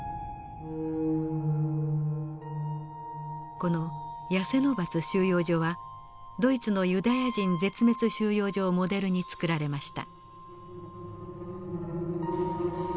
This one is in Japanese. このヤセノバツ収容所はドイツのユダヤ人絶滅収容所をモデルに作られました。